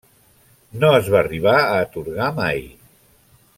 No es va arribar a atorgar mai.